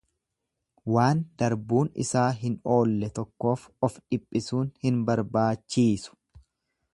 Waan darbuun isaa hin oolle tokkoof of dhiphisuun hin barbaachiisu.